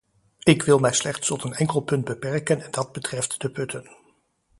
Ik wil mij slechts tot een enkel punt beperken en dat betreft de putten.